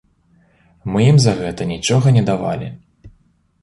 Мы ім за гэта нічога не давалі.